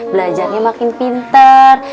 belajarnya makin pintar